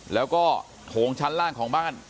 แล้วก็โถงชั้นล่างของบ้าน